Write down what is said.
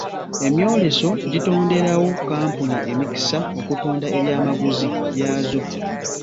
Emyoleso gitonderawo kkampuni emikisa okutunda ebyamaguzi byazo.